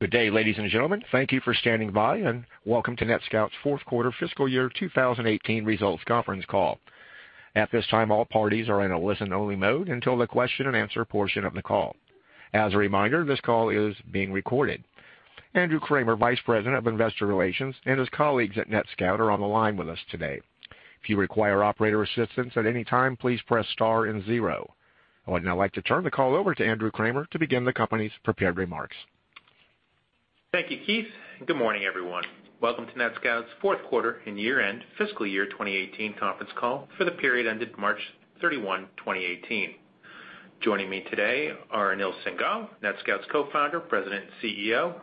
Good day, ladies and gentlemen. Thank you for standing by, and welcome to NetScout's fourth quarter fiscal year 2018 results conference call. At this time, all parties are in a listen-only mode until the question and answer portion of the call. As a reminder, this call is being recorded. Andrew Kramer, Vice President of Investor Relations, and his colleagues at NetScout are on the line with us today. If you require operator assistance at any time, please press star and zero. I would now like to turn the call over to Andrew Kramer to begin the company's prepared remarks. Thank you, Keith. Good morning, everyone. Welcome to NetScout's fourth quarter and year-end fiscal year 2018 conference call for the period ended March 31, 2018. Joining me today are Anil Singhal, NetScout's Co-founder, President, and CEO;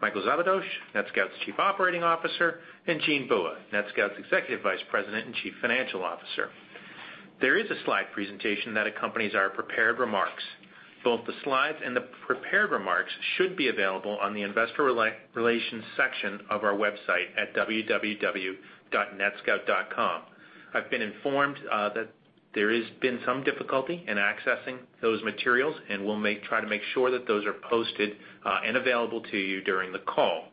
Michael Szabados, NetScout's Chief Operating Officer; and Jean Bua, NetScout's Executive Vice President and Chief Financial Officer. There is a slide presentation that accompanies our prepared remarks. Both the slides and the prepared remarks should be available on the investor relations section of our website at www.netscout.com. I've been informed that there has been some difficulty in accessing those materials, and we'll try to make sure that those are posted and available to you during the call.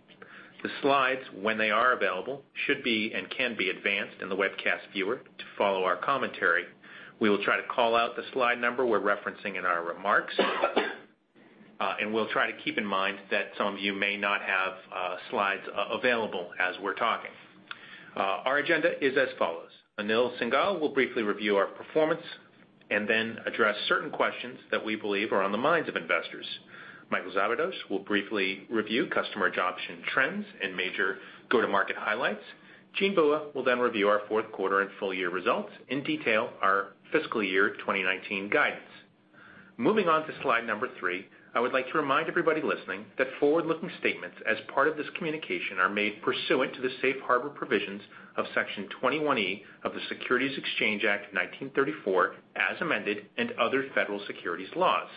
The slides, when they are available, should be and can be advanced in the webcast viewer to follow our commentary. We will try to call out the slide number we're referencing in our remarks. We'll try to keep in mind that some of you may not have slides available as we're talking. Our agenda is as follows. Anil Singhal will briefly review our performance and then address certain questions that we believe are on the minds of investors. Michael Szabados will briefly review customer adoption trends and major go-to-market highlights. Jean Bua will then review our fourth quarter and full-year results in detail our fiscal year 2019 guidance. Moving on to slide number three, I would like to remind everybody listening that forward-looking statements as part of this communication are made pursuant to the safe harbor provisions of Section 21E of the Securities Exchange Act of 1934, as amended, and other federal securities laws.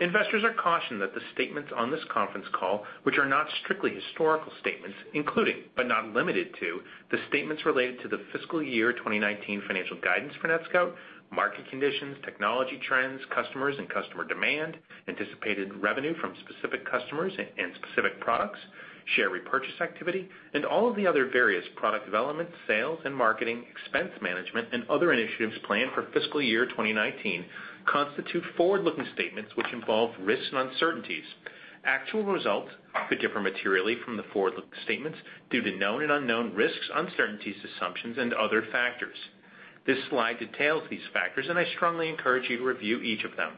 Investors are cautioned that the statements on this conference call, which are not strictly historical statements, including, but not limited to, the statements related to the fiscal year 2019 financial guidance for NetScout, market conditions, technology trends, customers and customer demand, anticipated revenue from specific customers and specific products, share repurchase activity, and all of the other various product development, sales, and marketing expense management, and other initiatives planned for fiscal year 2019, constitute forward-looking statements which involve risks and uncertainties. Actual results could differ materially from the forward-looking statements due to known and unknown risks, uncertainties, assumptions, and other factors. This slide details these factors. I strongly encourage you to review each of them.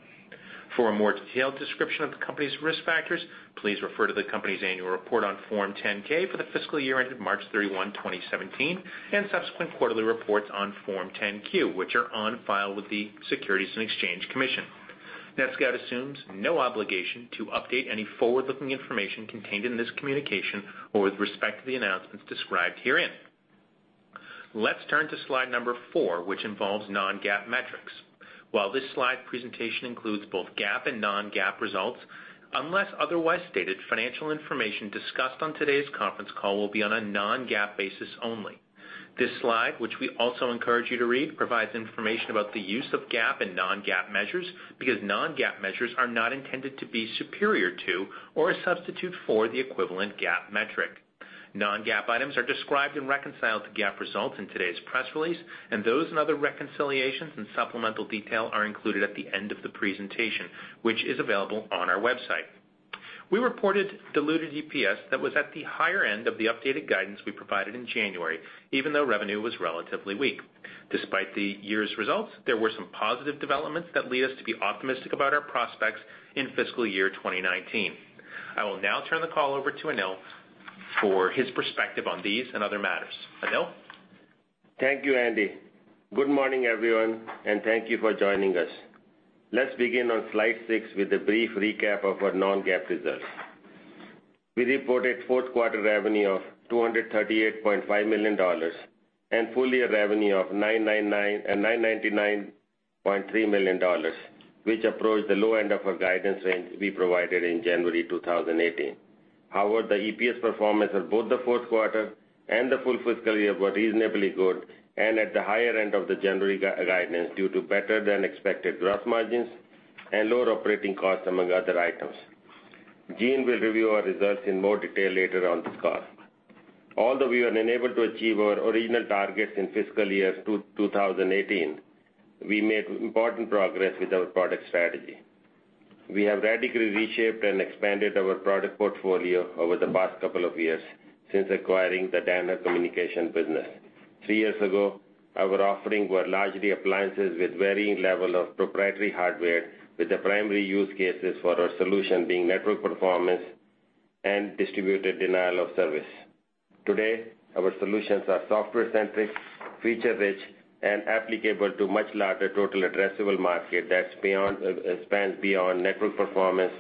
For a more detailed description of the company's risk factors, please refer to the company's annual report on Form 10-K for the fiscal year ended March 31, 2017, and subsequent quarterly reports on Form 10-Q, which are on file with the Securities and Exchange Commission. NetScout assumes no obligation to update any forward-looking information contained in this communication or with respect to the announcements described herein. Let's turn to slide number four, which involves non-GAAP metrics. While this slide presentation includes both GAAP and non-GAAP results, unless otherwise stated, financial information discussed on today's conference call will be on a non-GAAP basis only. This slide, which we also encourage you to read, provides information about the use of GAAP and non-GAAP measures because non-GAAP measures are not intended to be superior to or a substitute for the equivalent GAAP metric. Non-GAAP items are described and reconciled to GAAP results in today's press release. Those and other reconciliations and supplemental detail are included at the end of the presentation, which is available on our website. We reported diluted EPS that was at the higher end of the updated guidance we provided in January, even though revenue was relatively weak. Despite the year's results, there were some positive developments that lead us to be optimistic about our prospects in fiscal year 2019. I will now turn the call over to Anil for his perspective on these and other matters. Anil? Thank you, Andy. Good morning, everyone, and thank you for joining us. Let's begin on slide six with a brief recap of our non-GAAP results. We reported fourth quarter revenue of $238.5 million and full-year revenue of $999.3 million, which approached the low end of our guidance range we provided in January 2018. However, the EPS performance of both the fourth quarter and the full fiscal year were reasonably good and at the higher end of the January guidance due to better-than-expected gross margins and lower operating costs among other items. Jean will review our results in more detail later on this call. Although we were unable to achieve our original targets in fiscal year 2018, we made important progress with our product strategy. We have radically reshaped and expanded our product portfolio over the past couple of years since acquiring the Danaher Corporation Communications Business. Three years ago, our offerings were largely appliances with varying level of proprietary hardware, with the primary use cases for our solution being network performance and Distributed Denial-of-Service. Today, our solutions are software-centric, feature-rich, and applicable to much larger total addressable market that spans beyond network performance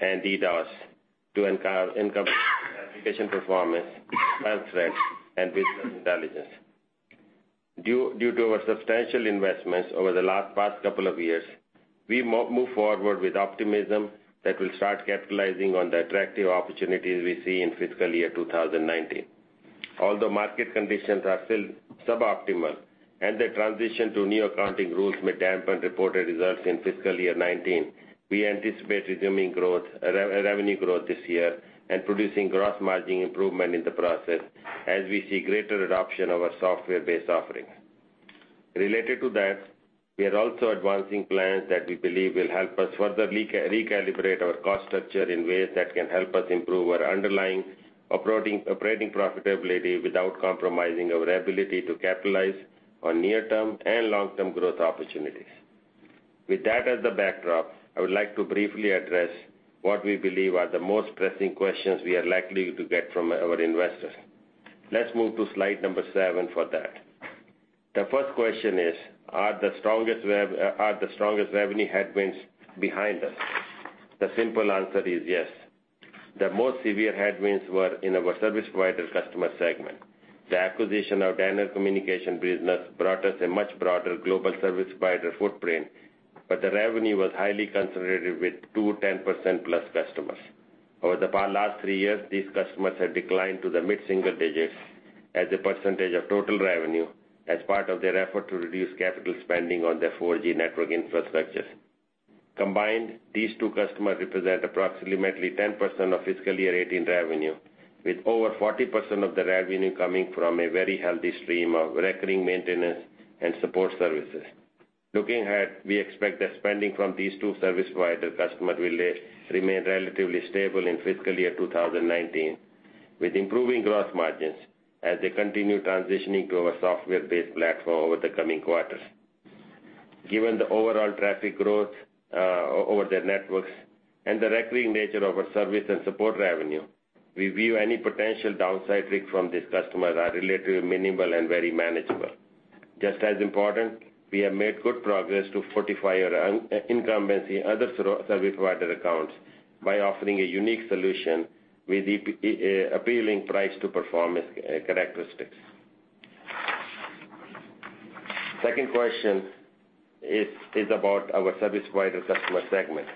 and DDoS to encompass application performance, cloud threats, and business intelligence. Due to our substantial investments over the last couple of years, we move forward with optimism that we'll start capitalizing on the attractive opportunities we see in fiscal year 2019. Although market conditions are still suboptimal, the transition to new accounting rules may dampen reported results in fiscal year 2019. We anticipate resuming revenue growth this year and producing gross margin improvement in the process as we see greater adoption of our software-based offerings. Related to that, we are also advancing plans that we believe will help us further recalibrate our cost structure in ways that can help us improve our underlying operating profitability without compromising our ability to capitalize on near-term and long-term growth opportunities. With that as the backdrop, I would like to briefly address what we believe are the most pressing questions we are likely to get from our investors. Let's move to slide seven for that. The first question is, are the strongest revenue headwinds behind us? The simple answer is yes. The most severe headwinds were in our service provider customer segment. The acquisition of Danaher Communications business brought us a much broader global service provider footprint, but the revenue was highly concentrated with two 10%-plus customers. Over the last three years, these customers have declined to the mid-single digits as a percentage of total revenue as part of their effort to reduce capital spending on their 4G network infrastructure. Combined, these two customers represent approximately 10% of fiscal year 2018 revenue, with over 40% of the revenue coming from a very healthy stream of recurring maintenance and support services. Looking ahead, we expect that spending from these two service provider customers will remain relatively stable in fiscal year 2019, with improving gross margins as they continue transitioning to our software-based platform over the coming quarters. Given the overall traffic growth over their networks and the recurring nature of our service and support revenue, we view any potential downside risk from these customers are relatively minimal and very manageable. Just as important, we have made good progress to fortify our incumbency in other service provider accounts by offering a unique solution with appealing price-to-performance characteristics. Second question is about our service provider customer segment.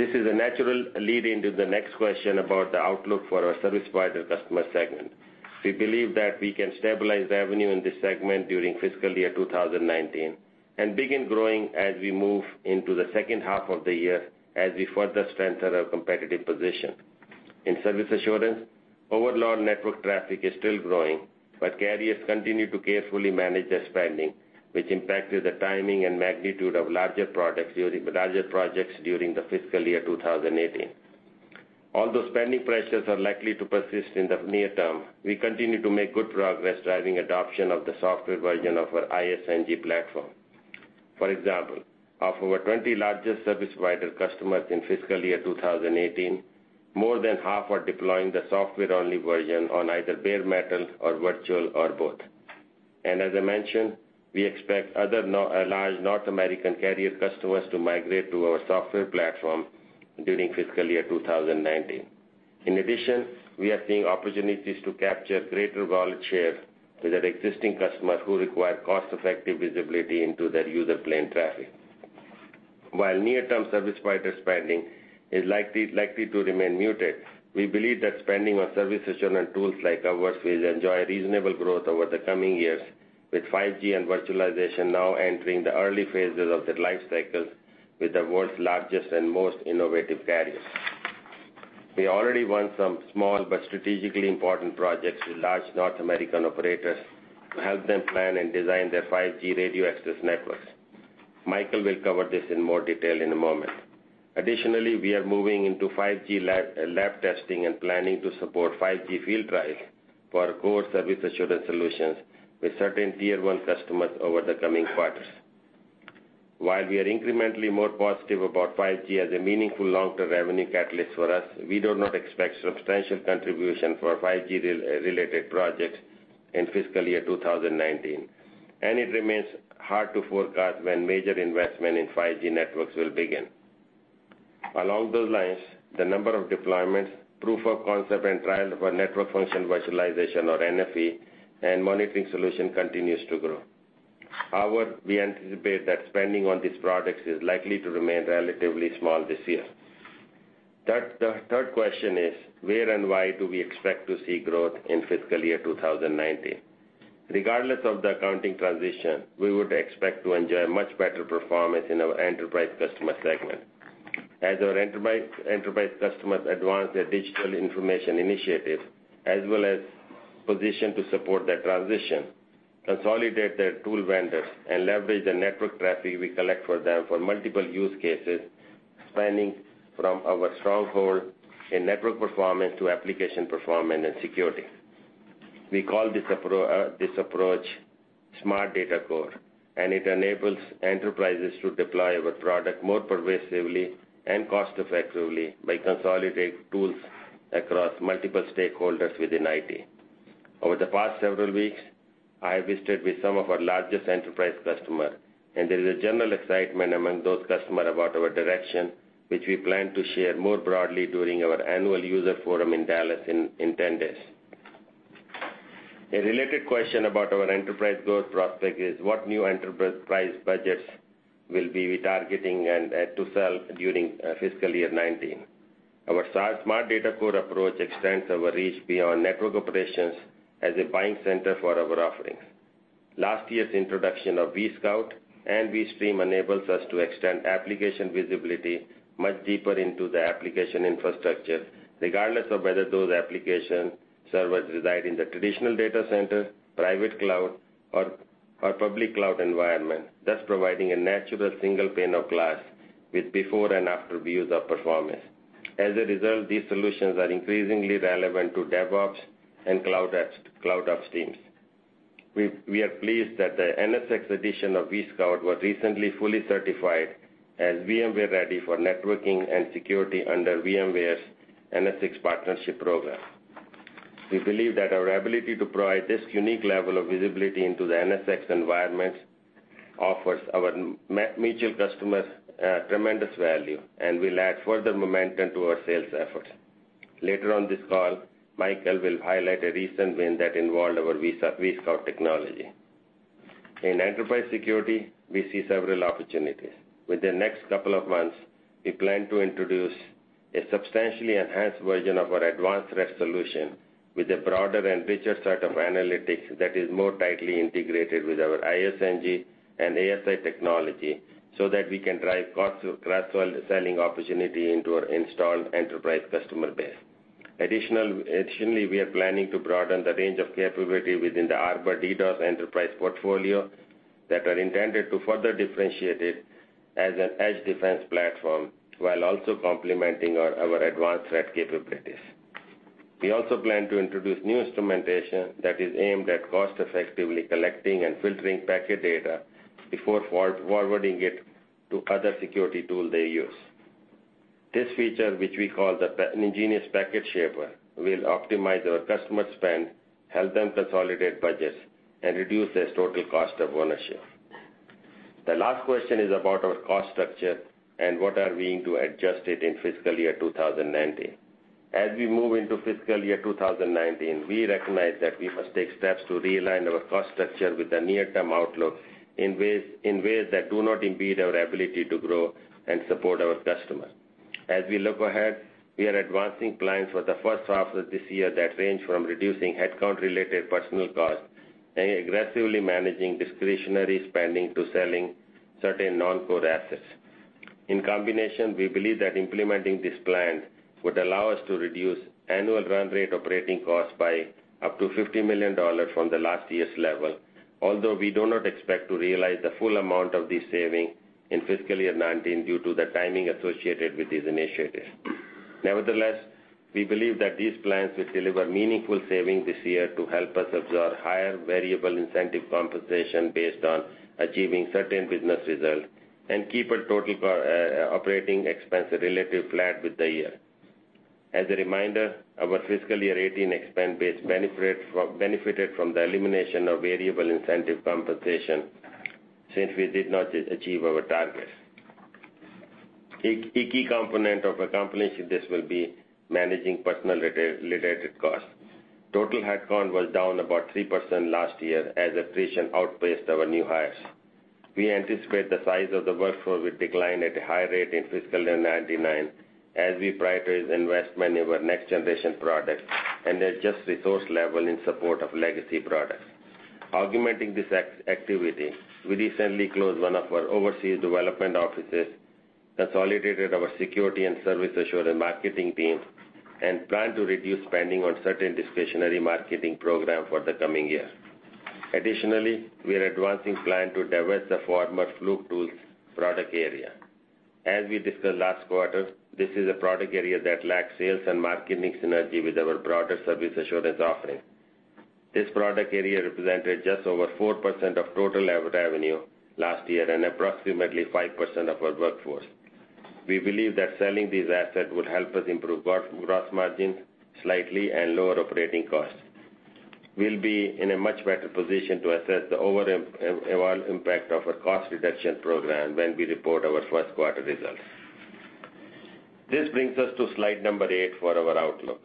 This is a natural lead into the next question about the outlook for our service provider customer segment. We believe that we can stabilize revenue in this segment during fiscal year 2019 and begin growing as we move into the second half of the year as we further strengthen our competitive position. In service assurance, overload network traffic is still growing, but carriers continue to carefully manage their spending, which impacted the timing and magnitude of larger projects during the fiscal year 2018. Although spending pressures are likely to persist in the near term, we continue to make good progress driving adoption of the software version of our ISNG platform. For example, of our 20 largest service provider customers in fiscal year 2018, more than half are deploying the software-only version on either bare metal or virtual or both. As I mentioned, we expect other large North American carrier customers to migrate to our software platform during fiscal year 2019. In addition, we are seeing opportunities to capture greater wallet share with our existing customers who require cost-effective visibility into their user plane traffic. While near-term service provider spending is likely to remain muted, we believe that spending on service assurance tools like ours will enjoy reasonable growth over the coming years, with 5G and virtualization now entering the early phases of their life cycles with the world's largest and most innovative carriers. We already won some small but strategically important projects with large North American operators to help them plan and design their 5G radio access networks. Michael will cover this in more detail in a moment. Additionally, we are moving into 5G lab testing and planning to support 5G field trials for our core service assurance solutions with certain tier 1 customers over the coming quarters. While we are incrementally more positive about 5G as a meaningful long-term revenue catalyst for us, we do not expect substantial contribution for 5G-related projects in fiscal year 2019, and it remains hard to forecast when major investment in 5G networks will begin. Along those lines, the number of deployments, proof of concept and trials of our Network Function Virtualization, or NFV, and monitoring solution continues to grow. However, we anticipate that spending on these products is likely to remain relatively small this year. The third question is: where and why do we expect to see growth in fiscal year 2019? Regardless of the accounting transition, we would expect to enjoy much better performance in our enterprise customer segment. As our enterprise customers advance their digital information initiatives as well as position to support the transition, consolidate their tool vendors, and leverage the network traffic we collect for them for multiple use cases, expanding from our stronghold in network performance to application performance and security. We call this approach Smart Data Core, it enables enterprises to deploy our product more pervasively and cost-effectively by consolidating tools across multiple stakeholders within IT. Over the past several weeks, I have visited with some of our largest enterprise customers, there is a general excitement among those customers about our direction, which we plan to share more broadly during our annual user forum in Dallas in 10 days. A related question about our enterprise growth prospect is what new enterprise budgets will we be targeting and to sell during fiscal year 2019. Our Smart Data Core approach extends our reach beyond network operations as a buying center for our offerings. Last year's introduction of vSCOUT and vSTREAM enables us to extend application visibility much deeper into the application infrastructure, regardless of whether those application servers reside in the traditional data center, private cloud, or public cloud environment, thus providing a natural single pane of glass with before and after views of performance. As a result, these solutions are increasingly relevant to DevOps and CloudOps teams. We are pleased that the NSX edition of vSCOUT was recently fully certified as VMware Ready for networking and security under VMware's NSX partnership program. We believe that our ability to provide this unique level of visibility into the NSX environment offers our mutual customers tremendous value and will add further momentum to our sales efforts. Later on this call, Michael will highlight a recent win that involved our vSCOUT technology. In enterprise security, we see several opportunities. Within the next couple of months, we plan to introduce a substantially enhanced version of our advanced threat solution with a broader and richer set of analytics that is more tightly integrated with our ISNG and ASI technology, that we can drive cross-sell selling opportunity into our installed enterprise customer base. Additionally, we are planning to broaden the range of capability within the Arbor DDoS enterprise portfolio that are intended to further differentiate it as an edge defense platform, while also complementing our advanced threat capabilities. We also plan to introduce new instrumentation that is aimed at cost effectively collecting and filtering packet data before forwarding it to other security tool they use. This feature, which we call the nGenius PacketShaper, will optimize our customer spend, help them consolidate budgets, and reduce their total cost of ownership. The last question is about our cost structure and what are we doing to adjust it in fiscal year 2019. As we move into fiscal year 2019, we recognize that we must take steps to realign our cost structure with the near-term outlook in ways that do not impede our ability to grow and support our customers. As we look ahead, we are advancing plans for the first half of this year that range from reducing headcount-related personnel costs and aggressively managing discretionary spending to selling certain non-core assets. In combination, we believe that implementing this plan would allow us to reduce annual run rate operating costs by up to $50 million from the last year's level, although we do not expect to realize the full amount of this saving in fiscal year 2019 due to the timing associated with these initiatives. Nevertheless, we believe that these plans will deliver meaningful savings this year to help us absorb higher variable incentive compensation based on achieving certain business results and keep our total operating expense relative flat with the year. As a reminder, our fiscal year 2018 expense base benefited from the elimination of variable incentive compensation since we did not achieve our targets. A key component of accomplishing this will be managing personnel-related costs. Total headcount was down about 3% last year as attrition outpaced our new hires. We anticipate the size of the workforce will decline at a high rate in fiscal year 2019, as we prioritize investment in our next-generation products and adjust resource level in support of legacy products. Augmenting this activity, we recently closed one of our overseas development offices, consolidated our security and service assurance marketing teams, and plan to reduce spending on certain discretionary marketing program for the coming year. Additionally, we are advancing plan to divest the former Fluke Networks product area. As we discussed last quarter, this is a product area that lacks sales and marketing synergy with our broader service assurance offering. This product area represented just over 4% of total revenue last year and approximately 5% of our workforce. We believe that selling this asset will help us improve gross margin slightly and lower operating costs. We'll be in a much better position to assess the overall impact of our cost reduction program when we report our first quarter results. This brings us to slide number eight for our outlook.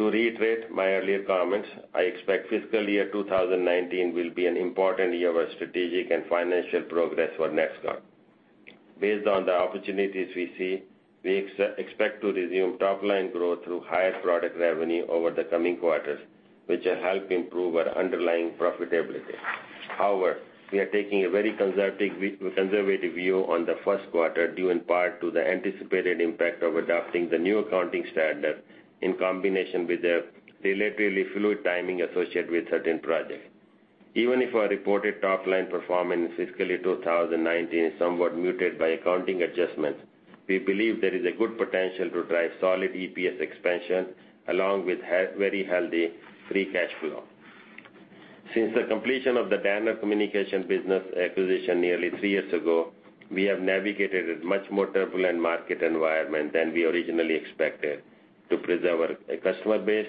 To reiterate my earlier comments, I expect fiscal year 2019 will be an important year of strategic and financial progress for NetScout. Based on the opportunities we see, we expect to resume top-line growth through higher product revenue over the coming quarters, which will help improve our underlying profitability. However, we are taking a very conservative view on the first quarter, due in part to the anticipated impact of adopting the new accounting standard, in combination with the relatively fluid timing associated with certain projects. Even if our reported top-line performance in fiscal year 2019 is somewhat muted by accounting adjustments, we believe there is a good potential to drive solid EPS expansion, along with very healthy free cash flow. Since the completion of the Danaher Corporation Communications Business acquisition nearly three years ago, we have navigated a much more turbulent market environment than we originally expected to preserve our customer base,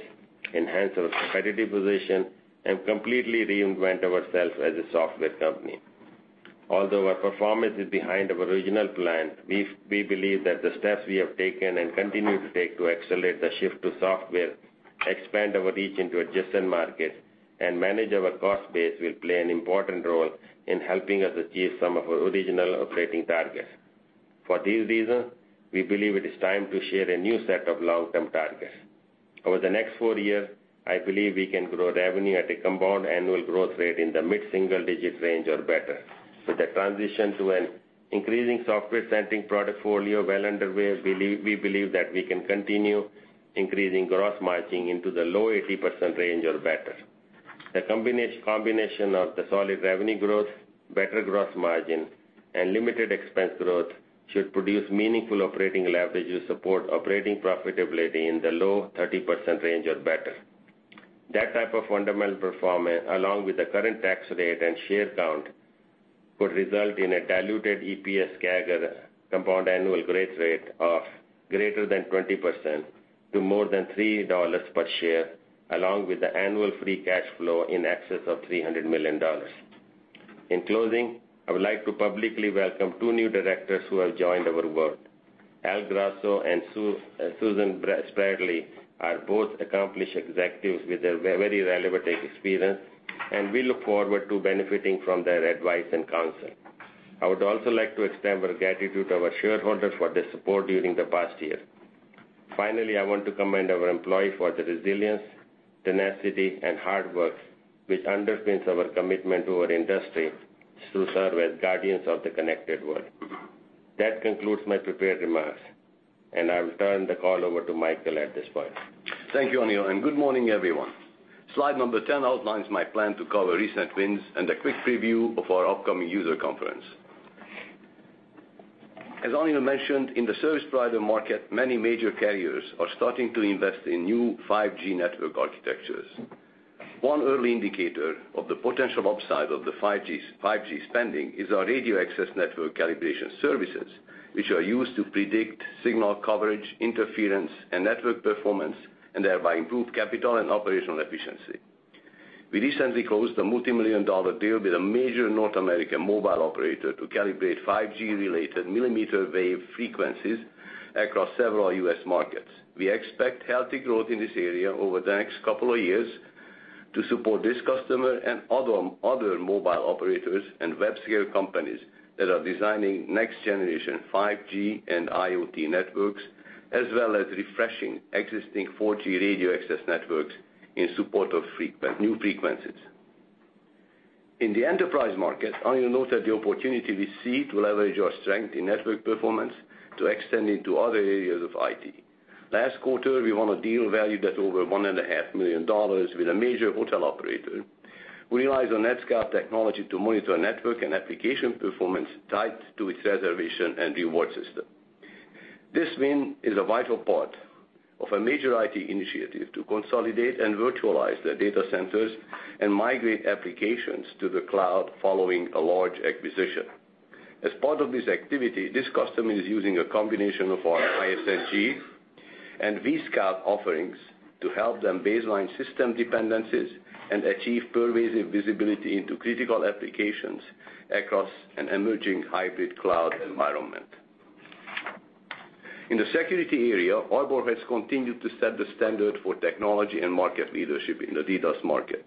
enhance our competitive position, and completely reinvent ourselves as a software company. Although our performance is behind our original plan, we believe that the steps we have taken and continue to take to accelerate the shift to software, expand our reach into adjacent markets, and manage our cost base will play an important role in helping us achieve some of our original operating targets. For these reasons, we believe it is time to share a new set of long-term targets. Over the next four years, I believe we can grow revenue at a compound annual growth rate in the mid-single digit range or better. With the transition to an increasing software-centric product portfolio well underway, we believe that we can continue increasing gross margin into the low 80% range or better. The combination of the solid revenue growth, better gross margin, and limited expense growth should produce meaningful operating leverage to support operating profitability in the low 30% range or better. That type of fundamental performance, along with the current tax rate and share count, could result in a diluted EPS CAGR, compound annual growth rate, of greater than 20% to more than $3 per share, along with the annual free cash flow in excess of $300 million. In closing, I would like to publicly welcome two new directors who have joined our board. Al Grasso and Susan Spradley are both accomplished executives with very relevant experience, and we look forward to benefiting from their advice and counsel. I would also like to extend our gratitude to our shareholders for their support during the past year. Finally, I want to commend our employees for their resilience, tenacity, and hard work, which underpins our commitment to our industry to serve as guardians of the connected world. That concludes my prepared remarks, and I will turn the call over to Michael at this point. Thank you, Anil, and good morning, everyone. Slide number 10 outlines my plan to cover recent wins and a quick preview of our upcoming user conference. As Anil mentioned, in the service provider market, many major carriers are starting to invest in new 5G network architectures. One early indicator of the potential upside of the 5G spending is our radio access network calibration services, which are used to predict signal coverage, interference, and network performance, and thereby improve capital and operational efficiency. We recently closed a multimillion-dollar deal with a major North American mobile operator to calibrate 5G-related millimeter wave frequencies across several U.S. markets. We expect healthy growth in this area over the next couple of years to support this customer and other mobile operators and web-scale companies that are designing next-generation 5G and IoT networks, as well as refreshing existing 4G radio access networks in support of new frequencies. In the enterprise market, Anil noted the opportunity we see to leverage our strength in network performance to extend into other areas of IT. Last quarter, we won a deal valued at over $1.5 million with a major hotel operator who relies on NetScout Systems technology to monitor network and application performance tied to its reservation and reward system. This win is a vital part of a major IT initiative to consolidate and virtualize their data centers and migrate applications to the cloud following a large acquisition. As part of this activity, this customer is using a combination of our InfiniStreamNG and vSCOUT offerings to help them baseline system dependencies and achieve pervasive visibility into critical applications across an emerging hybrid cloud environment. In the security area, Arbor has continued to set the standard for technology and market leadership in the DDoS market.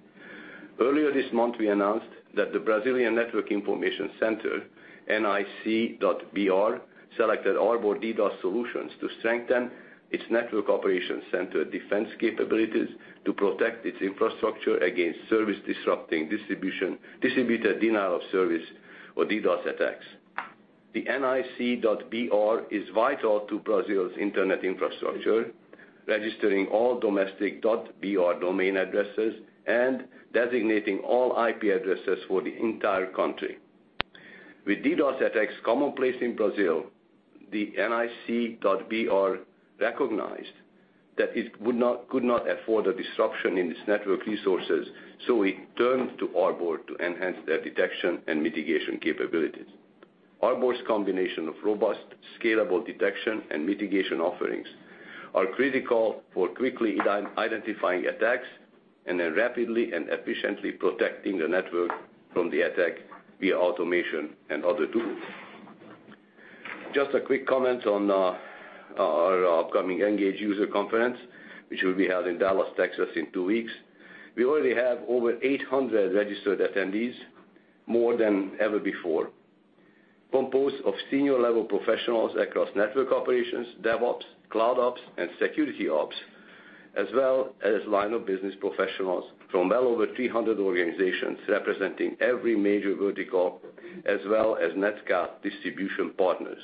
Earlier this month, we announced that the Brazilian Network Information Center, NIC.br, selected Arbor DDoS solutions to strengthen its network operations center defense capabilities to protect its infrastructure against service-disrupting distributed denial of service, or DDoS, attacks. The NIC.br is vital to Brazil's internet infrastructure, registering all domestic .br domain addresses and designating all IP addresses for the entire country. With DDoS attacks commonplace in Brazil, the NIC.br recognized that it could not afford a disruption in its network resources, so it turned to Arbor to enhance their detection and mitigation capabilities. Arbor's combination of robust, scalable detection and mitigation offerings are critical for quickly identifying attacks and then rapidly and efficiently protecting the network from the attack via automation and other tools. Just a quick comment on our upcoming ENGAGE user conference, which will be held in Dallas, Texas, in two weeks. We already have over 800 registered attendees, more than ever before, composed of senior-level professionals across network operations, DevOps, CloudOps, and SecOps, as well as line-of-business professionals from well over 300 organizations representing every major vertical, as well as NetScout Systems distribution partners.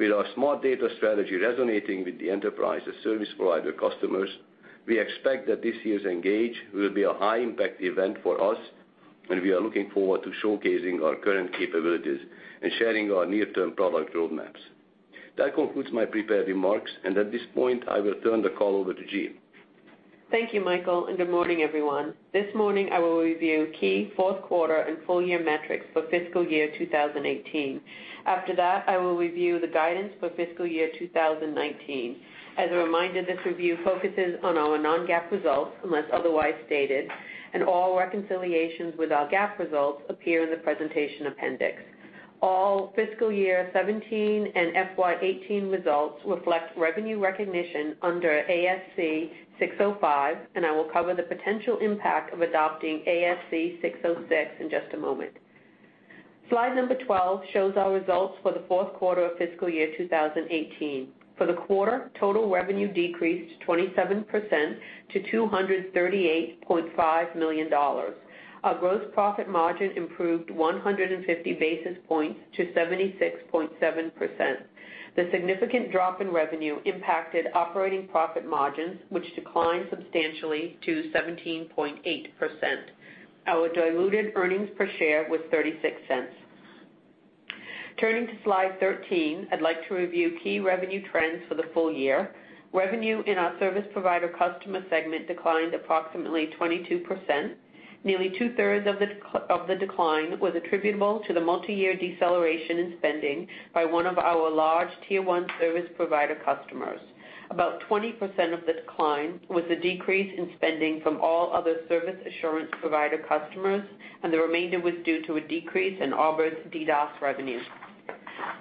With our Smart Data strategy resonating with the enterprise and service provider customers, we expect that this year's ENGAGE will be a high-impact event for us, and we are looking forward to showcasing our current capabilities and sharing our near-term product roadmaps. That concludes my prepared remarks. At this point, I will turn the call over to Jean. Thank you, Michael, and good morning, everyone. This morning, I will review key fourth quarter and full year metrics for fiscal year 2018. After that, I will review the guidance for fiscal year 2019. As a reminder, this review focuses on our non-GAAP results, unless otherwise stated, and all reconciliations with our GAAP results appear in the presentation appendix. All fiscal year 2017 and FY 2018 results reflect revenue recognition under ASC 605, and I will cover the potential impact of adopting ASC 606 in just a moment. Slide number 12 shows our results for the fourth quarter of fiscal year 2018. For the quarter, total revenue decreased 27% to $238.5 million. Our gross profit margin improved 150 basis points to 76.7%. The significant drop in revenue impacted operating profit margins, which declined substantially to 17.8%. Our diluted earnings per share was $0.36. Turning to slide 13, I'd like to review key revenue trends for the full year. Revenue in our service provider customer segment declined approximately 22%. Nearly two-thirds of the decline was attributable to the multi-year deceleration in spending by one of our large tier 1 service provider customers. About 20% of the decline was a decrease in spending from all other service assurance provider customers, and the remainder was due to a decrease in Arbor's DDoS revenue.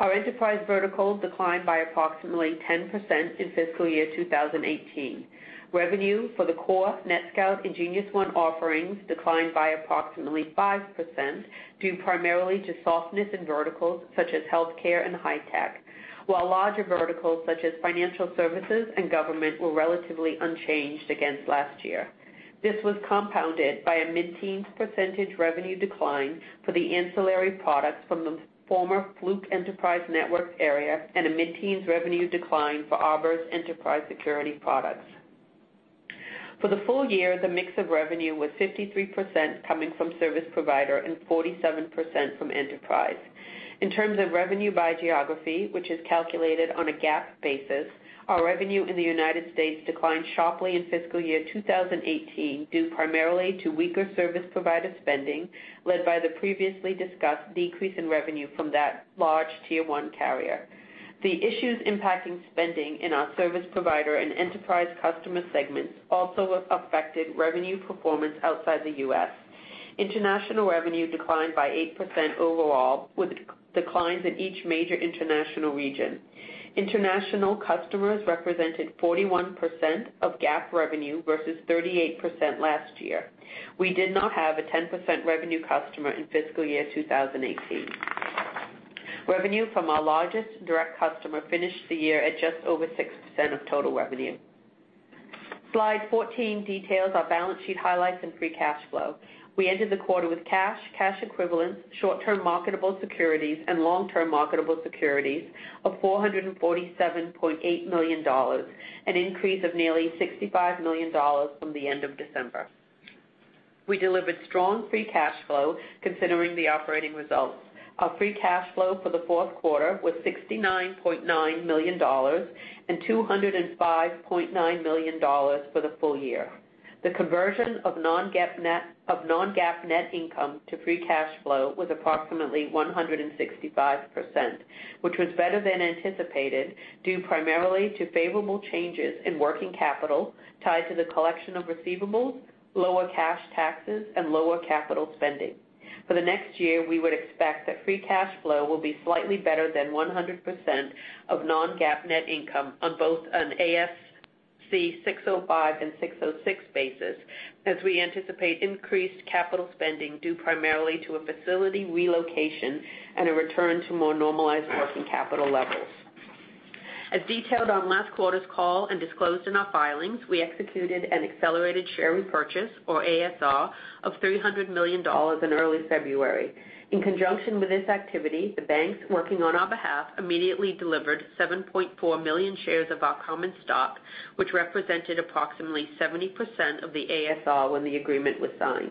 Our enterprise verticals declined by approximately 10% in fiscal year 2018. Revenue for the core NetScout nGeniusONE offerings declined by approximately 5%, due primarily to softness in verticals such as healthcare and high tech, while larger verticals such as financial services and government were relatively unchanged against last year. This was compounded by a mid-teens percentage revenue decline for the ancillary products from the former Fluke Networks area and a mid-teens revenue decline for Arbor's enterprise security products. For the full year, the mix of revenue was 53% coming from service provider and 47% from enterprise. In terms of revenue by geography, which is calculated on a GAAP basis, our revenue in the U.S. declined sharply in fiscal year 2018, due primarily to weaker service provider spending led by the previously discussed decrease in revenue from that large tier 1 carrier. The issues impacting spending in our service provider and enterprise customer segments also affected revenue performance outside the U.S. International revenue declined by 8% overall, with declines in each major international region. International customers represented 41% of GAAP revenue versus 38% last year. We did not have a 10% revenue customer in fiscal year 2018. Revenue from our largest direct customer finished the year at just over 6% of total revenue. Slide 14 details our balance sheet highlights and free cash flow. We ended the quarter with cash equivalents, short-term marketable securities, and long-term marketable securities of $447.8 million, an increase of nearly $65 million from the end of December. We delivered strong free cash flow considering the operating results. Our free cash flow for the fourth quarter was $69.9 million and $205.9 million for the full year. The conversion of non-GAAP net income to free cash flow was approximately 165%, which was better than anticipated, due primarily to favorable changes in working capital tied to the collection of receivables, lower cash taxes, and lower capital spending. For the next year, we would expect that free cash flow will be slightly better than 100% of non-GAAP net income on both an ASC 605 and ASC 606 basis, as we anticipate increased capital spending due primarily to a facility relocation and a return to more normalized working capital levels. As detailed on last quarter's call and disclosed in our filings, we executed an accelerated share repurchase, or ASR, of $300 million in early February. In conjunction with this activity, the banks working on our behalf immediately delivered 7.4 million shares of our common stock, which represented approximately 70% of the ASR when the agreement was signed.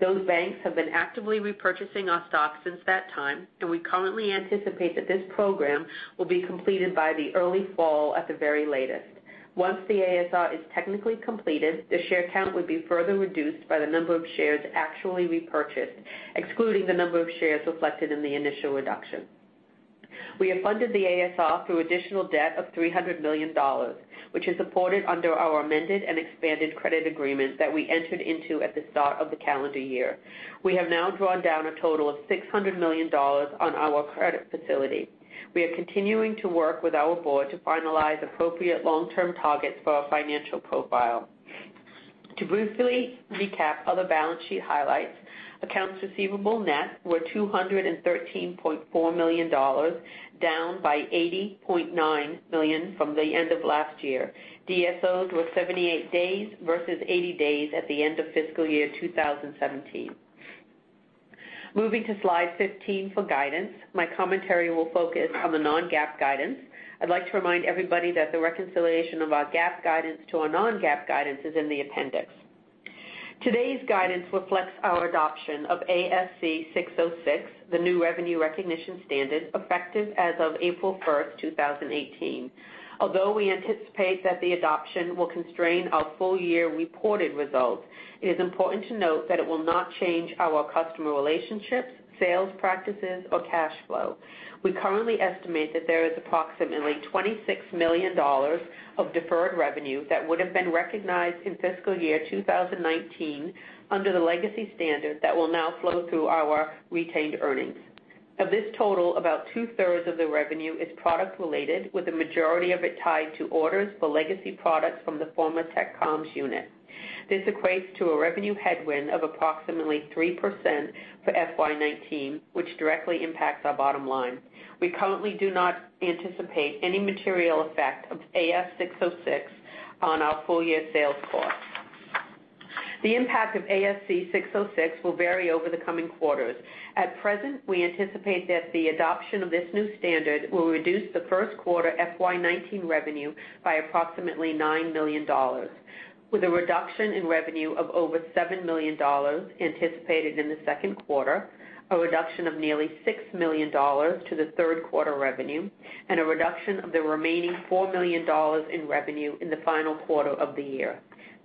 Those banks have been actively repurchasing our stock since that time, and we currently anticipate that this program will be completed by the early fall at the very latest. Once the ASR is technically completed, the share count would be further reduced by the number of shares actually repurchased, excluding the number of shares reflected in the initial reduction. We have funded the ASR through additional debt of $300 million, which is supported under our amended and expanded credit agreement that we entered into at the start of the calendar year. We have now drawn down a total of $600 million on our credit facility. We are continuing to work with our board to finalize appropriate long-term targets for our financial profile. To briefly recap other balance sheet highlights, accounts receivable net were $213.4 million, down by $80.9 million from the end of last year. DSOs were 78 days versus 80 days at the end of fiscal year 2017. Moving to slide 15 for guidance, my commentary will focus on the non-GAAP guidance. I'd like to remind everybody that the reconciliation of our GAAP guidance to our non-GAAP guidance is in the appendix. Today's guidance reflects our adoption of ASC 606, the new revenue recognition standard, effective as of April 1st, 2018. Although we anticipate that the adoption will constrain our full-year reported results, it is important to note that it will not change our customer relationships, sales practices, or cash flow. We currently estimate that there is approximately $26 million of deferred revenue that would have been recognized in fiscal year 2019 under the legacy standard that will now flow through our retained earnings. Of this total, about two-thirds of the revenue is product related, with the majority of it tied to orders for legacy products from the former Tektronix Communications unit. This equates to a revenue headwind of approximately 3% for FY 2019, which directly impacts our bottom line. We currently do not anticipate any material effect of ASC 606 on our full-year sales force. The impact of ASC 606 will vary over the coming quarters. At present, we anticipate that the adoption of this new standard will reduce the first quarter FY 2019 revenue by approximately $9 million, with a reduction in revenue of over $7 million anticipated in the second quarter, a reduction of nearly $6 million to the third quarter revenue, and a reduction of the remaining $4 million in revenue in the final quarter of the year.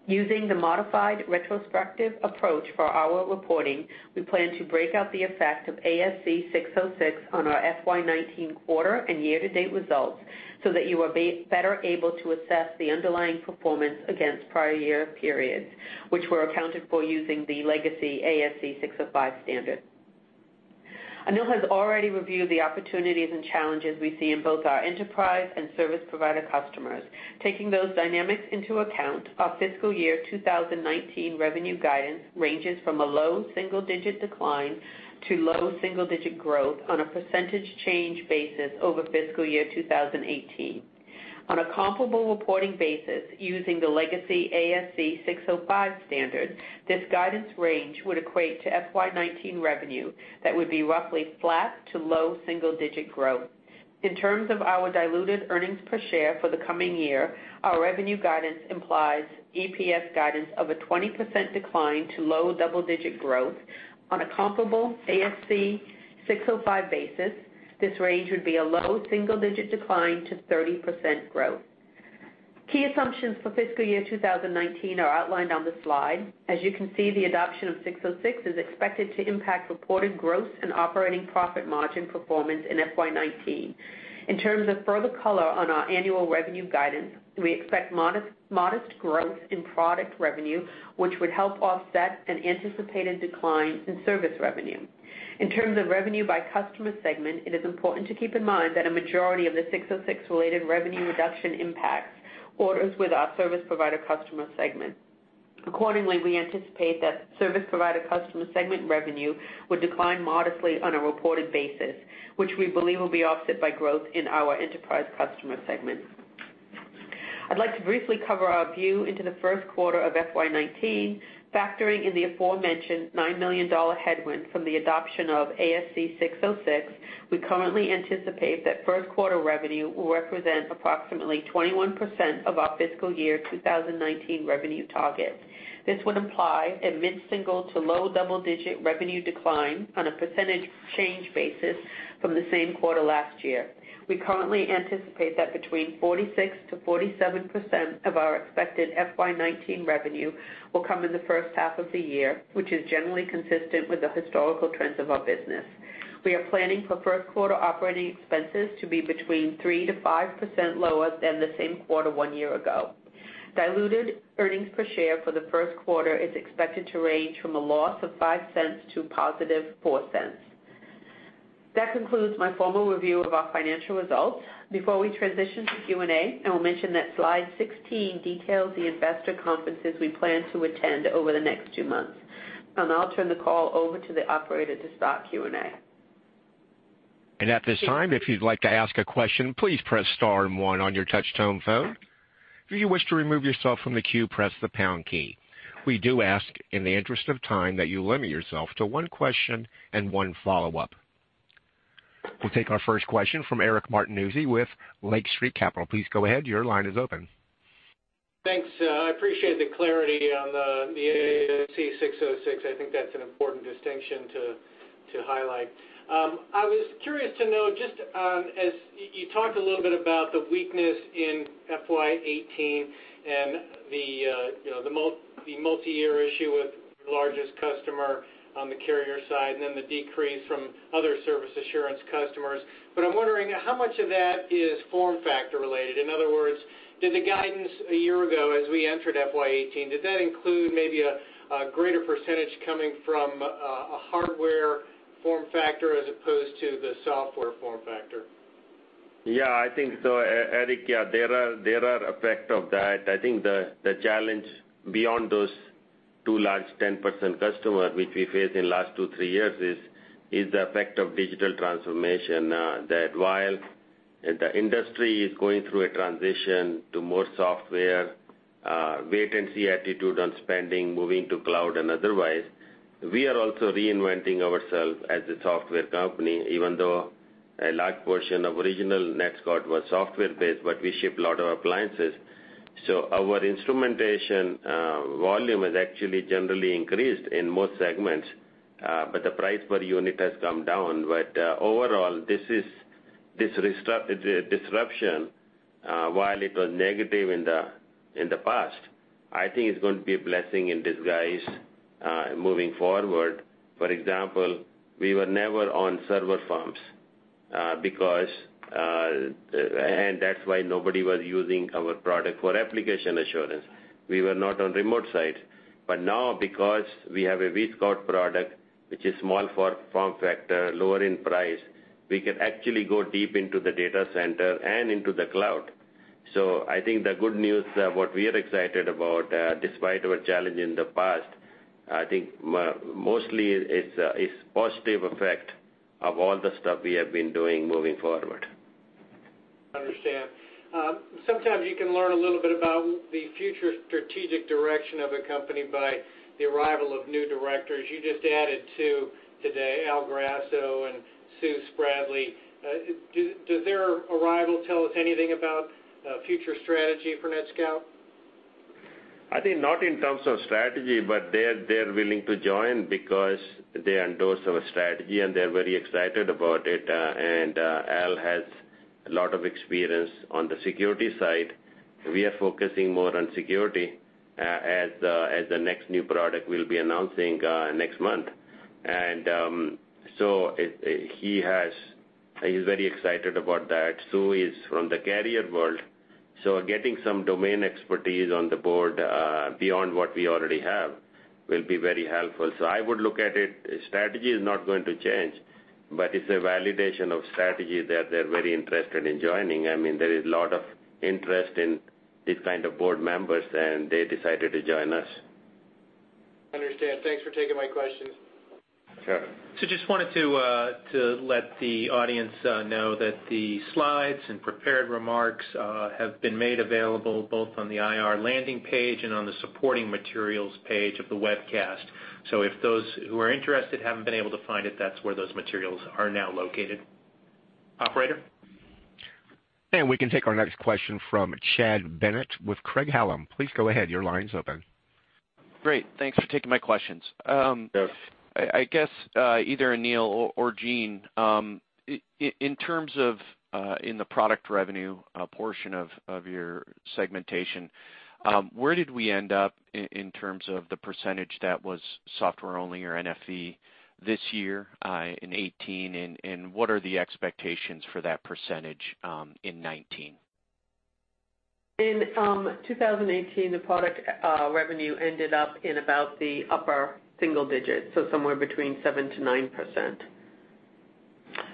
Using the modified retrospective approach for our reporting, we plan to break out the effect of ASC 606 on our FY 2019 quarter and year-to-date results so that you are better able to assess the underlying performance against prior year periods, which were accounted for using the legacy ASC 605 standard. Anil has already reviewed the opportunities and challenges we see in both our enterprise and service provider customers. Taking those dynamics into account, our fiscal year 2019 revenue guidance ranges from a low single-digit decline to low single-digit growth on a percentage change basis over fiscal year 2018. On a comparable reporting basis using the legacy ASC 605 standard, this guidance range would equate to FY 2019 revenue that would be roughly flat to low single-digit growth. In terms of our diluted earnings per share for the coming year, our revenue guidance implies EPS guidance of a 20% decline to low double-digit growth. On a comparable ASC 605 basis, this range would be a low single-digit decline to 30% growth. Key assumptions for fiscal year 2019 are outlined on the slide. As you can see, the adoption of ASC 606 is expected to impact reported growth and operating profit margin performance in FY 2019. In terms of further color on our annual revenue guidance, we expect modest growth in product revenue, which would help offset an anticipated decline in service revenue. In terms of revenue by customer segment, it is important to keep in mind that a majority of the ASC 606 related revenue reduction impacts orders with our service provider customer segment. Accordingly, we anticipate that service provider customer segment revenue would decline modestly on a reported basis, which we believe will be offset by growth in our enterprise customer segment. I'd like to briefly cover our view into the first quarter of FY 2019. Factoring in the aforementioned $9 million headwind from the adoption of ASC 606, we currently anticipate that first quarter revenue will represent approximately 21% of our fiscal year 2019 revenue target. This would imply a mid-single to low double-digit revenue decline on a percentage change basis from the same quarter last year. We currently anticipate that between 46%-47% of our expected FY 2019 revenue will come in the first half of the year, which is generally consistent with the historical trends of our business. We are planning for first quarter operating expenses to be between 3%-5% lower than the same quarter one year ago. Diluted earnings per share for the first quarter is expected to range from a loss of $0.05 to positive $0.04. That concludes my formal review of our financial results. Before we transition to Q&A, I will mention that slide 16 details the investor conferences we plan to attend over the next two months. I'll turn the call over to the operator to start Q&A. At this time, if you'd like to ask a question, please press star and one on your touch-tone phone. If you wish to remove yourself from the queue, press the pound key. We do ask, in the interest of time, that you limit yourself to one question and one follow-up. We'll take our first question from Eric Martinuzzi with Lake Street Capital. Please go ahead, your line is open. Thanks. I appreciate the clarity on the ASC 606. I think that's an important distinction to highlight. I was curious to know, you talked a little bit about the weakness in FY 2018 and the multi-year issue with the largest customer on the carrier side, and then the decrease from other service assurance customers. I'm wondering how much of that is form factor related? In other words, did the guidance a year ago as we entered FY 2018, did that include maybe a greater % coming from a hardware form factor as opposed to the software form factor? Yeah, I think so, Eric. There are effect of that. I think the challenge beyond those 2 large 10% customer which we faced in last 2, 3 years is the effect of digital transformation. While the industry is going through a transition to more software, wait-and-see attitude on spending, moving to cloud, and otherwise, we are also reinventing ourselves as a software company, even though a large portion of original NetScout was software-based, but we ship a lot of appliances. Our instrumentation volume has actually generally increased in most segments, but the price per unit has come down. Overall, this disruption While it was negative in the past, I think it's going to be a blessing in disguise moving forward. For example, we were never on server farms, and that's why nobody was using our product for application assurance. We were not on remote sites. But now, because we have a vSCOUT product, which is small for form factor, lower in price, we can actually go deep into the data center and into the cloud. I think the good news, what we are excited about, despite our challenge in the past, I think mostly it's positive effect of all the stuff we have been doing moving forward. Understand. Sometimes you can learn a little bit about the future strategic direction of a company by the arrival of new directors. You just added 2 today, Al Grasso and Sue Spradley. Does their arrival tell us anything about future strategy for NetScout? I think not in terms of strategy, but they're willing to join because they endorse our strategy, and they're very excited about it. Al has a lot of experience on the security side. We are focusing more on security as the next new product we'll be announcing next month. He's very excited about that. Sue is from the carrier world, so getting some domain expertise on the board, beyond what we already have, will be very helpful. I would look at it, strategy is not going to change, but it's a validation of strategy that they're very interested in joining. There is lot of interest in these kind of board members, and they decided to join us. Understand. Thanks for taking my questions. Sure. Just wanted to let the audience know that the slides and prepared remarks have been made available both on the IR landing page and on the supporting materials page of the webcast. If those who are interested haven't been able to find it, that's where those materials are now located. Operator? We can take our next question from Chad Bennett with Craig-Hallum. Please go ahead. Your line's open. Great. Thanks for taking my questions. Yes. I guess, either Anil or Jean, in terms of in the product revenue portion of your segmentation, where did we end up in terms of the percentage that was software only or NFV this year, in 2018, and what are the expectations for that percentage in 2019? In 2018, the product revenue ended up in about the upper single digits, so somewhere between 7%-9%.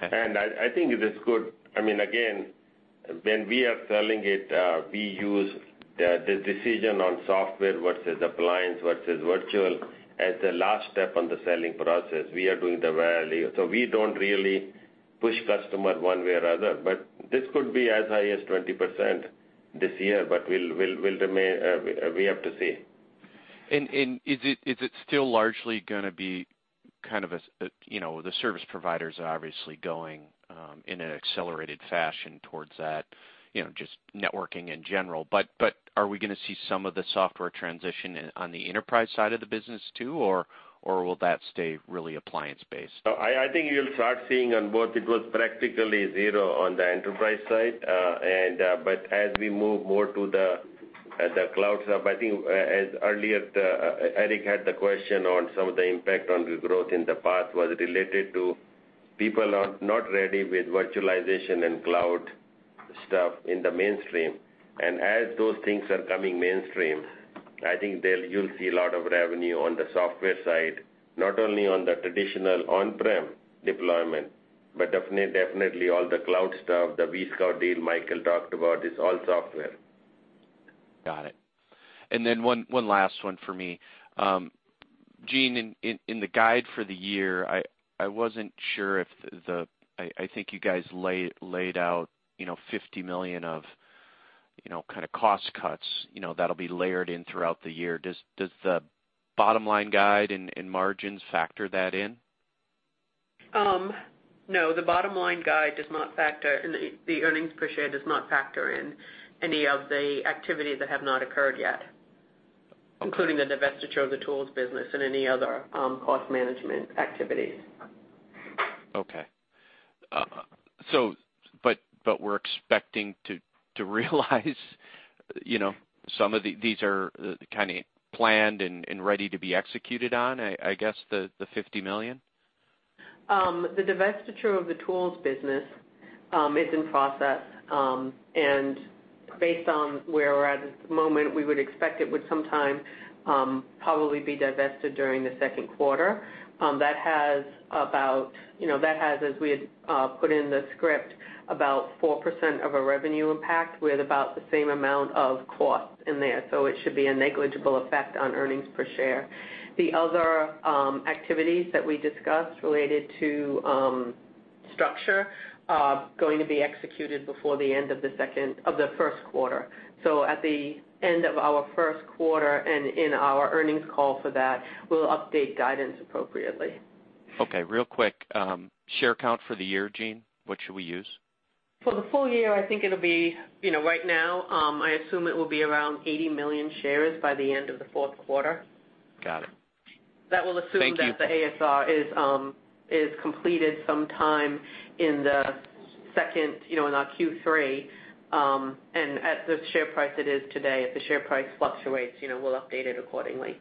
I think it is good. Again, when we are selling it, we use the decision on software versus appliance versus virtual as the last step on the selling process. We are doing the value. We don't really push customer one way or other, but this could be as high as 20% this year, but we have to see. Is it still largely going to be the service providers are obviously going in an accelerated fashion towards that, just networking in general, but are we going to see some of the software transition on the enterprise side of the business too, or will that stay really appliance-based? I think you'll start seeing on both. It was practically zero on the enterprise side. As we move more to the cloud stuff, I think as earlier, Eric had the question on some of the impact on the growth in the past was related to people are not ready with virtualization and cloud stuff in the mainstream. As those things are coming mainstream, I think there you'll see a lot of revenue on the software side, not only on the traditional on-prem deployment, but definitely all the cloud stuff, the vSCOUT deal Michael talked about is all software. Got it. Then one last one for me. Jean, in the guide for the year, I wasn't sure, I think you guys laid out $50 million of cost cuts that'll be layered in throughout the year. Does the bottom line guide and margins factor that in? No, the bottom line guide does not factor, the earnings per share does not factor in any of the activities that have not occurred yet, including the divestiture of the tools business and any other cost management activities. Okay. We're expecting to realize some of these are kind of planned and ready to be executed on, I guess, the $50 million? The divestiture of the tools business is in process. Based on where we're at at the moment, we would expect it would sometime probably be divested during the second quarter. That has, as we had put in the script, about 4% of a revenue impact with about the same amount of cost in there. It should be a negligible effect on earnings per share. The other activities that we discussed related to structure are going to be executed before the end of the first quarter. At the end of our first quarter and in our earnings call for that, we'll update guidance appropriately. Okay, real quick. Share count for the year, Jean, what should we use? For the full year, I think it'll be, right now I assume it will be around 80 million shares by the end of the fourth quarter. Got it. Thank you. That will assume that the ASR is completed sometime in our Q3. At the share price it is today. If the share price fluctuates, we'll update it accordingly.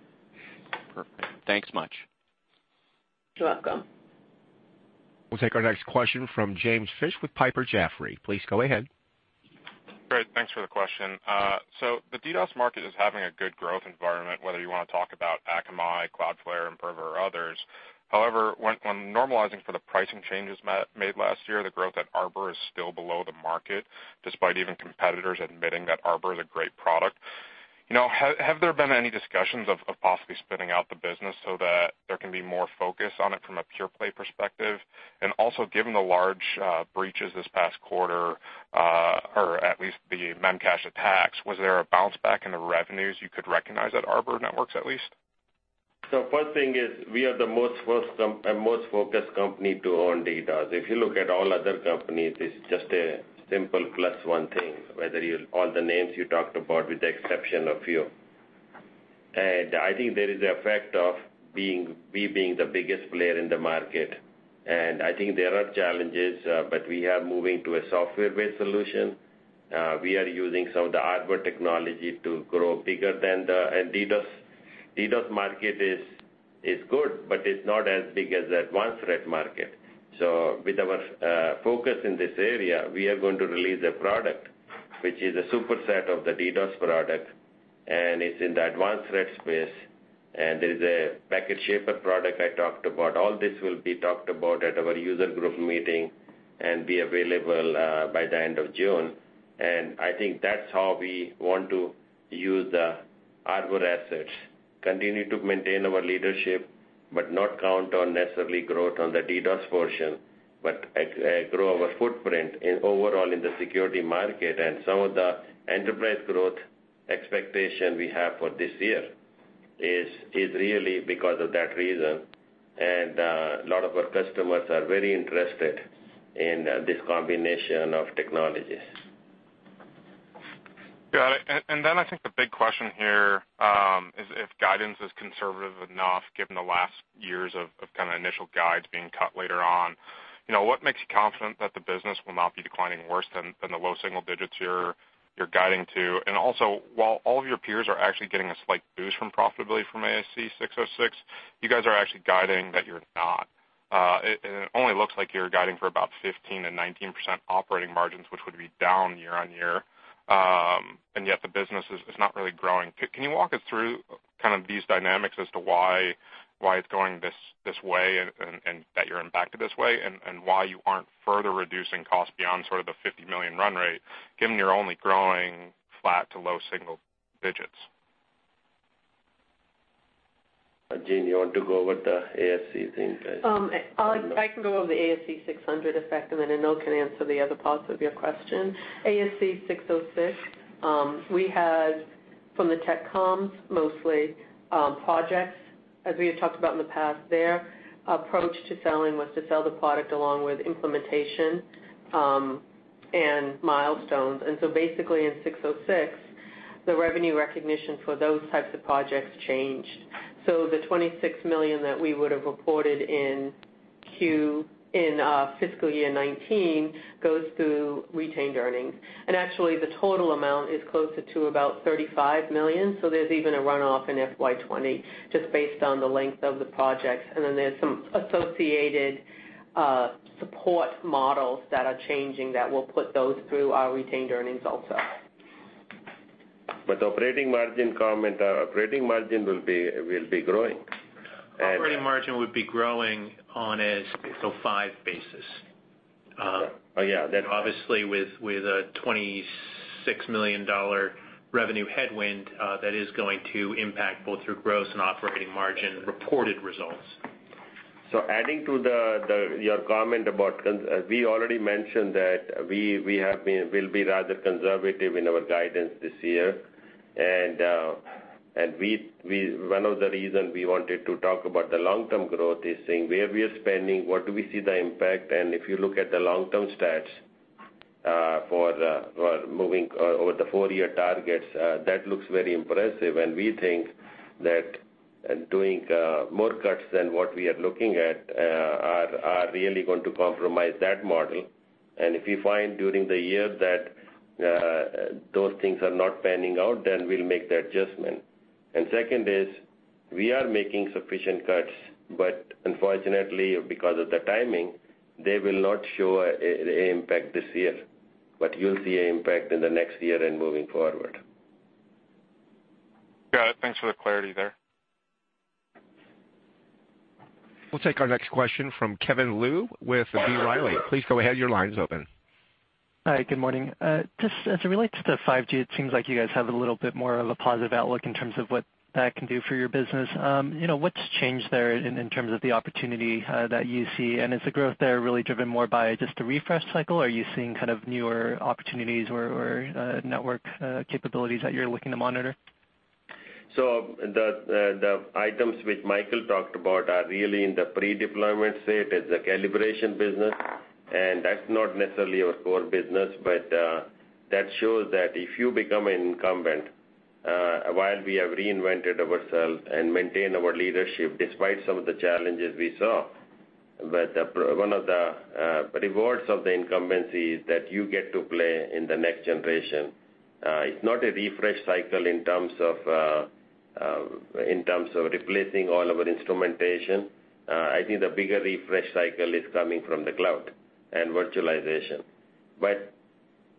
Perfect. Thanks much. You're welcome. We'll take our next question from James Fish with Piper Sandler. Please go ahead. Great. Thanks for the question. The DDoS market is having a good growth environment, whether you want to talk about Akamai, Cloudflare, Imperva or others. However, when normalizing for the pricing changes made last year, the growth at Arbor is still below the market, despite even competitors admitting that Arbor is a great product. Have there been any discussions of possibly spinning out the business so that there can be more focus on it from a pure play perspective? Also, given the large breaches this past quarter, or at least the Memcache attacks, was there a bounce back in the revenues you could recognize at Arbor Networks, at least? First thing is we are the most focused company to own DDoS. If you look at all other companies, it's just a simple plus one thing, whether all the names you talked about, with the exception of few. I think there is the effect of we being the biggest player in the market. I think there are challenges, but we are moving to a software-based solution. We are using some of the Arbor technology to grow bigger than the And DDoS market is good, but it's not as big as the advanced threat market. With our focus in this area, we are going to release a product which is a superset of the DDoS product, and it's in the advanced threat space, and there's a PacketShaper product I talked about. All this will be talked about at our user group meeting and be available by the end of June. I think that's how we want to use the Arbor assets, continue to maintain our leadership, but not count on necessarily growth on the DDoS portion, but grow our footprint overall in the security market. Some of the enterprise growth expectation we have for this year is really because of that reason. A lot of our customers are very interested in this combination of technologies. Got it. I think the big question here, is if guidance is conservative enough, given the last years of initial guides being cut later on. What makes you confident that the business will not be declining worse than the low single digits you're guiding to? While all of your peers are actually getting a slight boost from profitability from ASC 606, you guys are actually guiding that you're not. It only looks like you're guiding for about 15%-19% operating margins, which would be down year-over-year. Yet the business is not really growing. Can you walk us through these dynamics as to why it's going this way and that you're impacted this way, and why you aren't further reducing costs beyond the $50 million run rate, given you're only growing flat to low single digits? Jean, you want to go over the ASC thing? I can go over the ASC 606 effect, Anil can answer the other parts of your question. ASC 606. We had, from the Tech Comms, mostly, projects, as we had talked about in the past. Their approach to selling was to sell the product along with implementation, and milestones. In 606, the revenue recognition for those types of projects changed. The $26 million that we would have reported in fiscal year 2019 goes to retained earnings. The total amount is closer to about $35 million, there's even a runoff in FY 2020, just based on the length of the projects. There's some associated support models that are changing that will put those through our retained earnings also. Operating margin comment, our operating margin will be growing. Operating margin would be growing on a 605 basis. Oh, yeah. With a $26 million revenue headwind, that is going to impact both your gross and operating margin reported results. Adding to your comment about cons, we already mentioned that we'll be rather conservative in our guidance this year. One of the reason we wanted to talk about the long-term growth is seeing where we are spending, what do we see the impact. If you look at the long-term stats for moving over the four-year targets, that looks very impressive. We think that doing more cuts than what we are looking at are really going to compromise that model. If we find during the year that those things are not panning out, then we'll make the adjustment. Second is, we are making sufficient cuts, unfortunately, because of the timing, they will not show an impact this year. You'll see an impact in the next year and moving forward. Got it. Thanks for the clarity there. We'll take our next question from Kevin Liu with B. Riley. Go ahead, your line's open. Hi, good morning. Just as it relates to the 5G, it seems like you guys have a little bit more of a positive outlook in terms of what that can do for your business. What's changed there in terms of the opportunity that you see? Is the growth there really driven more by just a refresh cycle, or are you seeing newer opportunities or network capabilities that you're looking to monitor? The items which Michael talked about are really in the pre-deployment state as a calibration business, that's not necessarily our core business. That shows that if you become an incumbent, while we have reinvented ourselves and maintained our leadership despite some of the challenges we saw, one of the rewards of the incumbency is that you get to play in the next generation. It's not a refresh cycle in terms of replacing all our instrumentation. I think the bigger refresh cycle is coming from the cloud and virtualization.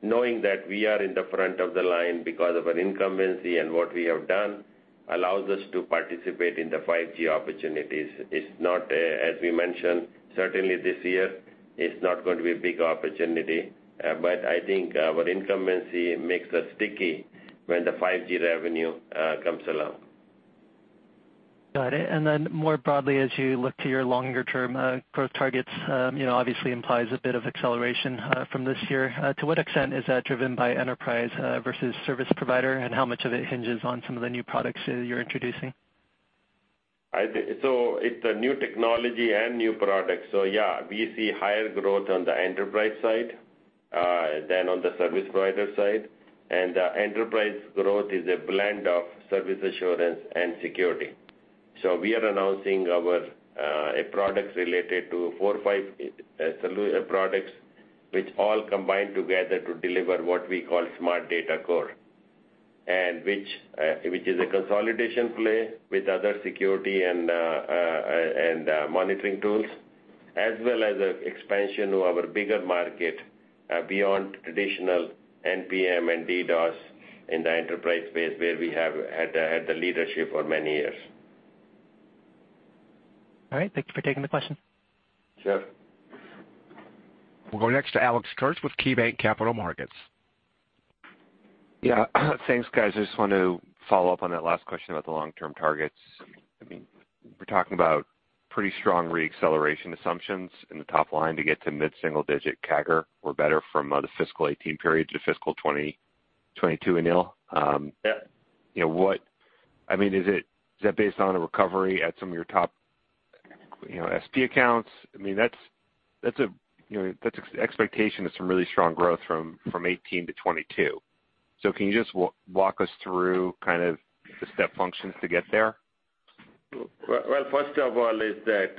Knowing that we are in the front of the line because of our incumbency and what we have done allows us to participate in the 5G opportunities. It's not, as we mentioned, certainly this year, it's not going to be a big opportunity. I think our incumbency makes us sticky when the 5G revenue comes along. Got it. More broadly, as you look to your longer-term growth targets, obviously implies a bit of acceleration from this year. To what extent is that driven by enterprise versus service provider, and how much of it hinges on some of the new products that you're introducing? It's a new technology and new product. Yeah, we see higher growth on the enterprise side than on the service provider side, and the enterprise growth is a blend of service assurance and security. We are announcing our products related to four or five solution products which all combine together to deliver what we call Smart Data Core, and which is a consolidation play with other security and monitoring tools, as well as an expansion to our bigger market beyond traditional NPM and DDoS in the enterprise space where we have had the leadership for many years. All right. Thank you for taking the question. Sure. We'll go next to Alex Kurtz with KeyBanc Capital Markets. Yeah. Thanks, guys. I just want to follow up on that last question about the long-term targets. We're talking about pretty strong re-acceleration assumptions in the top line to get to mid-single-digit CAGR or better from the fiscal 2018 periods of fiscal 2022, Anil. Yeah. Is that based on a recovery at some of your top SP accounts? That's expectation of some really strong growth from 2018 to 2022. Can you just walk us through kind of the step functions to get there? First of all, is that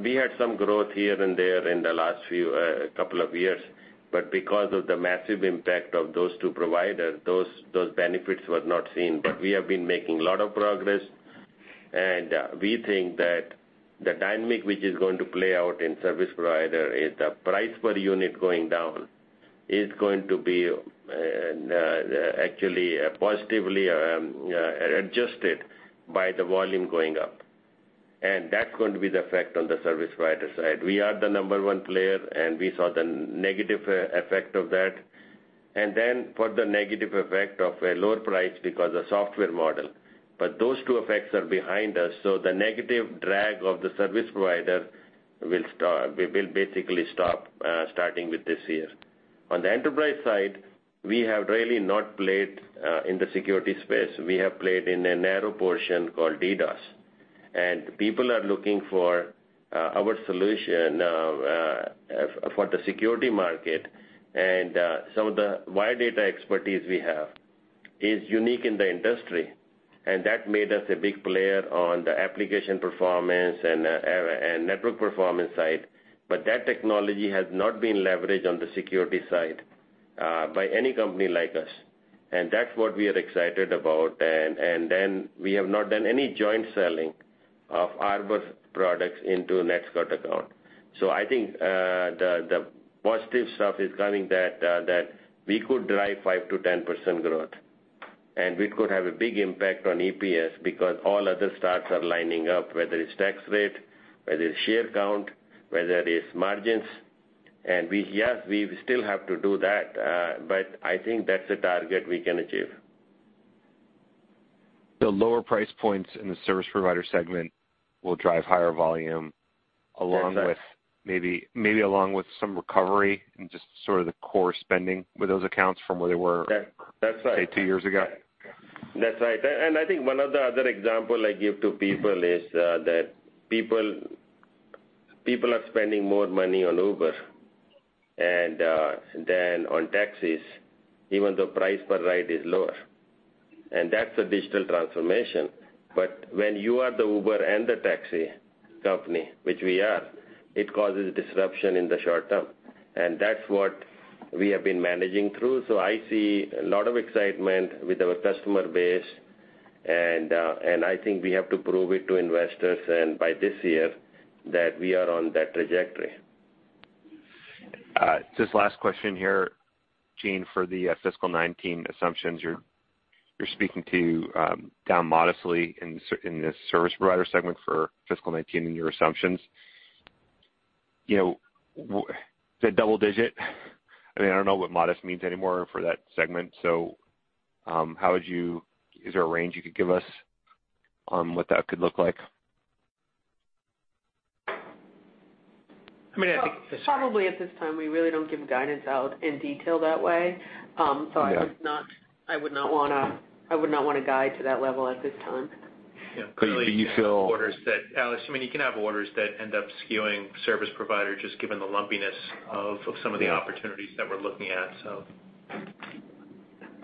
we had some growth here and there in the last few couple of years, because of the massive impact of those two providers, those benefits were not seen. We have been making a lot of progress, and we think that the dynamic which is going to play out in service provider is the price per unit going down is going to be actually positively adjusted by the volume going up. That's going to be the effect on the service provider side. We are the number one player, and we saw the negative effect of that. Then further negative effect of a lower price because of software model. Those two effects are behind us, so the negative drag of the service provider will basically stop, starting with this year. On the enterprise side, we have really not played in the security space. We have played in a narrow portion called DDoS, and people are looking for our solution for the security market. Some of the wire data expertise we have is unique in the industry, that made us a big player on the application performance and network performance side. That technology has not been leveraged on the security side by any company like us, that's what we are excited about. Then we have not done any joint selling of Arbor products into NetScout account. I think the positive stuff is coming that we could drive 5%-10% growth, and we could have a big impact on EPS because all other stars are lining up, whether it's tax rate, whether it's share count, whether it's margins. Yes, we still have to do that, but I think that's a target we can achieve. The lower price points in the service provider segment will drive higher volume That's right maybe along with some recovery and just sort of the core spending with those accounts from where they were Yeah. That's right. say, two years ago. That's right. I think one of the other example I give to people is that people are spending more money on Uber than on taxis, even though price per ride is lower. That's a digital transformation. When you are the Uber and the taxi company, which we are, it causes disruption in the short term. That's what we have been managing through. I see a lot of excitement with our customer base, and I think we have to prove it to investors and by this year that we are on that trajectory. Just last question here, Jean, for the fiscal 2019 assumptions. You're speaking to down modestly in the service provider segment for fiscal 2019 in your assumptions. Is it double digit? I don't know what modest means anymore for that segment. Is there a range you could give us on what that could look like? I mean. Probably at this time, we really don't give guidance out in detail that way. Yeah. I would not want to guide to that level at this time. Yeah. Do you feel- orders that, Alex, I mean, you can have orders that end up skewing service provider, just given the lumpiness of some of the opportunities that we're looking at.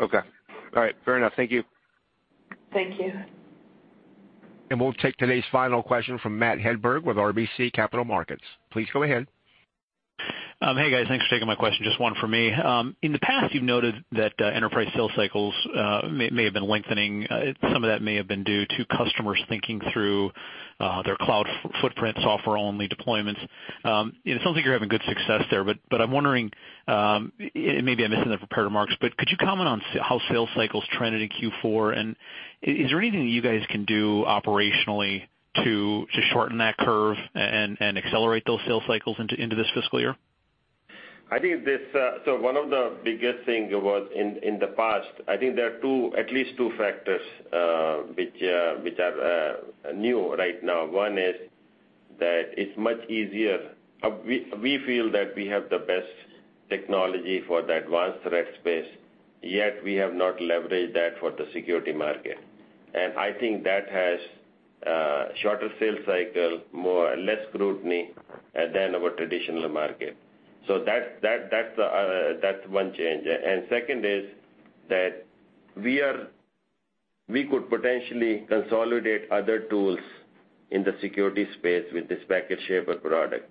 Okay. All right, fair enough. Thank you. Thank you. We'll take today's final question from Matthew Hedberg with RBC Capital Markets. Please go ahead. Hey, guys. Thanks for taking my question. Just one from me. In the past, you've noted that enterprise sales cycles may have been lengthening. Some of that may have been due to customers thinking through their cloud footprint, software-only deployments. It sounds like you're having good success there, but I'm wondering, maybe I missed it in the prepared remarks, but could you comment on how sales cycles trended in Q4? Is there anything that you guys can do operationally to shorten that curve and accelerate those sales cycles into this fiscal year? I think one of the biggest thing was in the past, I think there are at least two factors, which are new right now. One is that it's much easier. We feel that we have the best technology for the advanced threat space, yet we have not leveraged that for the security market. I think that has a shorter sales cycle, less scrutiny than our traditional market. That's one change. Second is that we could potentially consolidate other tools in the security space with this PacketShaper product.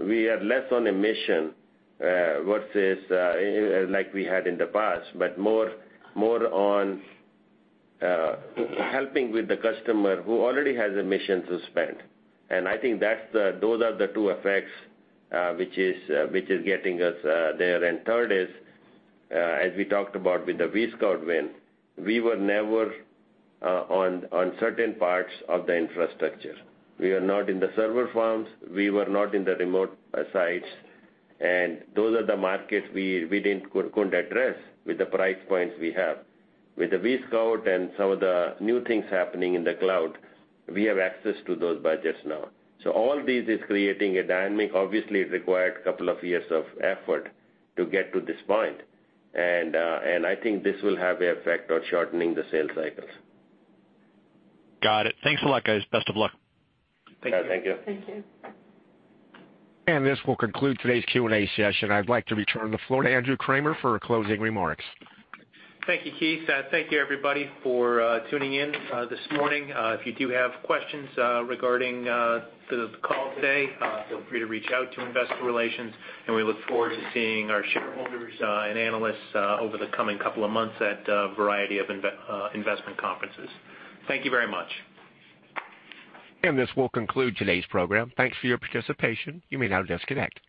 We are less on a mission, versus like we had in the past, but more on helping with the customer who already has a mission to spend. I think those are the two effects, which is getting us there. Third is, as we talked about with the vSCOUT win, we were never on certain parts of the infrastructure. We were not in the server farms. We were not in the remote sites. Those are the markets we couldn't address with the price points we have. With the vSCOUT and some of the new things happening in the cloud, we have access to those budgets now. All this is creating a dynamic. Obviously, it required a couple of years of effort to get to this point. I think this will have an effect on shortening the sales cycles. Got it. Thanks a lot, guys. Best of luck. Thank you. Thank you. Thank you. this will conclude today's Q&A session. I'd like to return the floor to Andrew Kramer for closing remarks. Thank you, Keith. Thank you, everybody, for tuning in this morning. If you do have questions regarding the call today, feel free to reach out to investor relations, and we look forward to seeing our shareholders and analysts over the coming couple of months at a variety of investment conferences. Thank you very much. this will conclude today's program. Thanks for your participation. You may now disconnect.